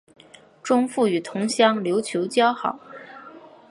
钟复与同乡刘球交好。